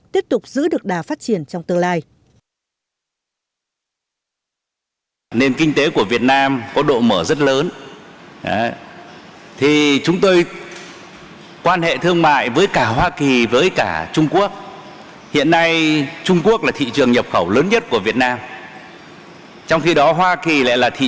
tiếp tục giữ được đà phát triển trong tương lai